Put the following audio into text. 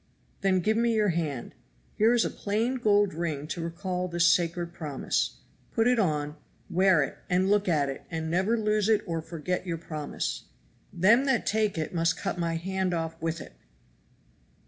"Then give me your hand; here is a plain gold ring to recall this sacred promise; put it on, wear it, and look at it, and never lose it or forget your promise." "Them that take it must cut my hand off with it."